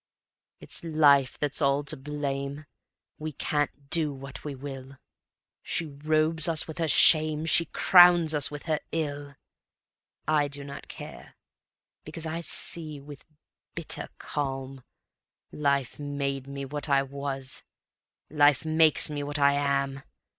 It's Life that's all to blame: We can't do what we will; She robes us with her shame, She crowns us with her ill. I do not care, because I see with bitter calm, Life made me what I was, Life makes me what I am.